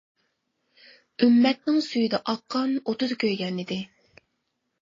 ئۈممەتنىڭ سۈيىدە ئاققان، ئوتىدا كۆيگەن ئىدى.